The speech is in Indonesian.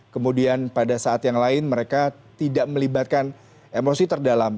kemudian pada saat yang lain mereka tidak melibatkan emosi terdalam